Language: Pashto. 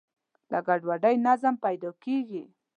له ګډوډۍ نظم پیدا کېږي.